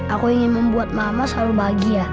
aku ingin membuat mama selalu bahagia